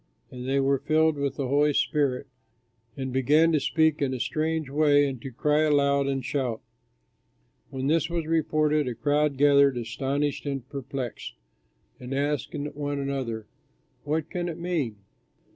And they were filled with the Holy Spirit and began to speak in a strange way and to cry aloud and shout. When this was reported a crowd gathered, astonished and perplexed, and asked one another, "What can it mean?"